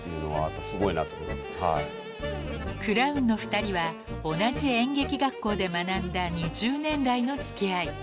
［クラウンの二人は同じ演劇学校で学んだ２０年来の付き合い］